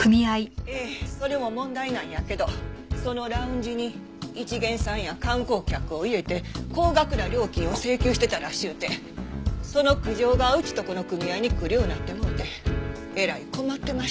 ええそれも問題なんやけどそのラウンジに一見さんや観光客を入れて高額な料金を請求してたらしゅうてその苦情がうちとこの組合に来るようになってもうてえらい困ってました。